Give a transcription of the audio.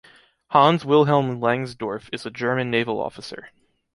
Hans Wilhelm Langsdorff is a German naval officer.